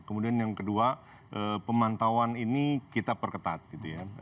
kemudian yang kedua pemantauan ini kita perketat gitu ya